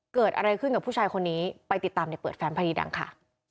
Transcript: เกิดอะไรขึ้นกับผู้ชายคนนี้ไปติดตามในเปิดแฟมพอดีดังค่ะ